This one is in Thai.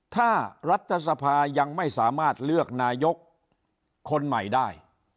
ถ้ารัฐสภายังไม่สามารถเลือกนายกคนใหม่ได้